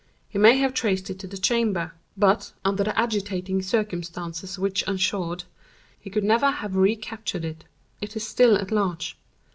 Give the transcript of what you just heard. He may have traced it to the chamber; but, under the agitating circumstances which ensued, he could never have re captured it. It is still at large.